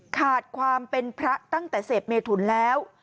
ขาดความเป็นพระตั้งแต่เสพเมถุนแล้ว